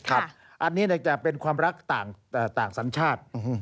อันนี้จะเป็นความรักต่างสัญชาติ